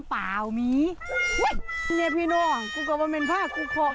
ไปหาแยกไข่มดแดง